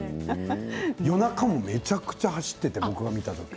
夜中もめちゃくちゃ走っていた、僕が見た時。